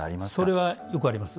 それはよくあります。